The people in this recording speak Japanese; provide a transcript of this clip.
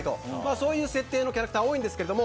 そういう設定のキャラクターが多いんですけど